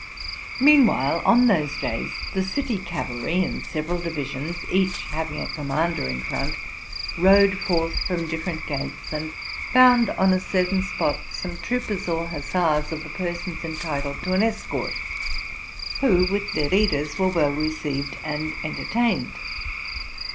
Meanwhile, on those days, the city cavalry in several divis ions, each having a commander in front, rode forth from different gates, and found on a certain spot some troopers or hussars of the persons entitled to an escort, who, with their leaders, were well received and entertained.